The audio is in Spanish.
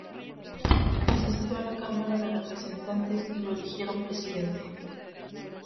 Asistió a la Cámara de Representantes y lo eligieron Presidente.